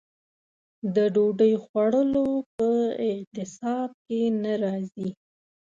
د ډوډۍ خوړلو په اعتصاب کې نه راځي.